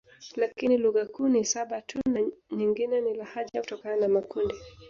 Lakini lugha kuu ni saba tu na nyingine ni lahaja kutokana na makundi